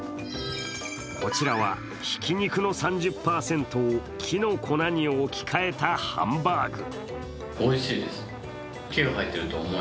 こちらは、ひき肉の３０％を木の粉に置き換えたハンバーグ。